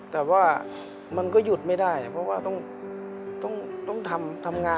แต่ว่ามันก็หยุดไม่ได้เพราะว่าต้องทำงาน